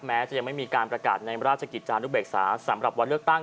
แม้จะยังไม่มีการประกาศในราชกิจจานุเบกษาสำหรับวันเลือกตั้ง